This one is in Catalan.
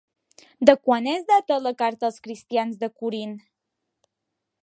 De quan es data la Carta als cristians de Corint?